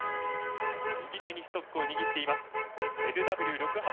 右手にストックを握っています。